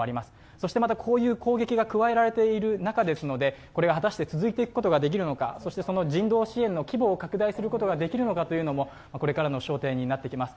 そしてこういう攻撃が加えられている中なのでこれが果たして続いていくことができるのかそしてその人道支援の規模が拡大することができるのかもこれからの焦点になっていきます。